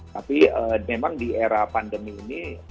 tapi memang di era pandemi ini